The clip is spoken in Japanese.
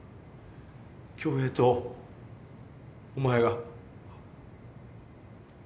恭平とお前が。